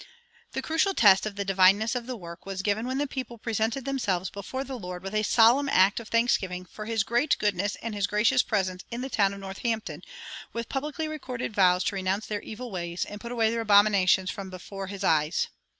The crucial test of the divineness of the work was given when the people presented themselves before the Lord with a solemn act of thanksgiving for his great goodness and his gracious presence in the town of Northampton, with publicly recorded vows to renounce their evil ways and put away their abominations from before his eyes.